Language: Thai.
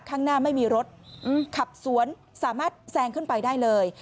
ข้างหน้าไม่มีรถขับสวนสามารถแซงขึ้นไปได้เลย